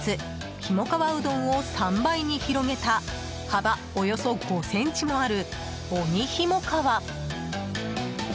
ひもかわうどんを３倍に広げた幅およそ５ｃｍもある鬼ひも川。